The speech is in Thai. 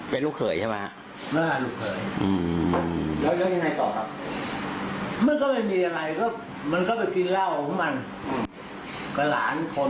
เป็นลูกเคยใช่ไหมค่ะ